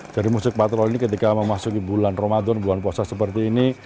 jadi musik patrol ini ketika memasuki bulan ramadan bulan puasa seperti ini